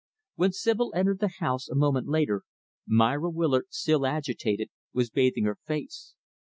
When Sibyl entered the house, a moment later, Myra Willard, still agitated, was bathing her face.